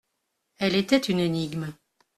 Elle était une énigme.